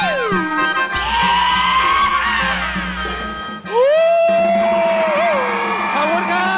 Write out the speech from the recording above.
ขอบคุณครับ